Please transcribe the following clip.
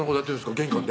玄関で？